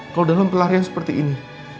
kalau dalam pelarian seperti ini